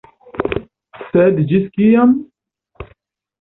Sed ĝis kiam?